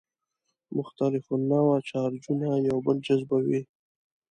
مختلف النوع چارجونه یو بل جذبوي.